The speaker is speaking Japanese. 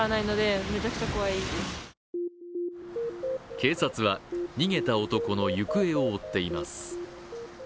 警察は逃げた男の行方を追っています。